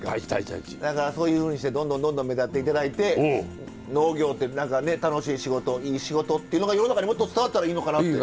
だからそういうふうにしてどんどんどんどん目立って頂いて農業って何かね楽しい仕事いい仕事っていうのが世の中にもっと伝わったらいいのかなって。